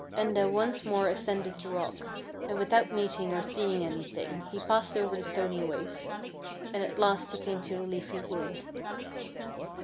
Enda once more ascended the rock, and without meeting or seeing anything he passed over the stony waste, and at last he came to a leafy wood.